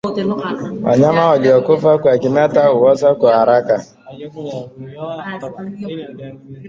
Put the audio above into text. Wanyama waliokufa kwa kimeta huoza kwa haraka